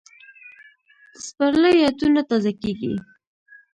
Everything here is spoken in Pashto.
د سپرلي یادونه تازه کېږي